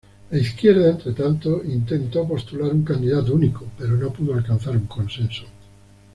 La izquierda, entretanto, intentó postular un candidato único, pero no pudo alcanzar un consenso.